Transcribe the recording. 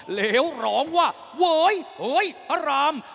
เหลวร้องว่าเว้ยโหยพระราม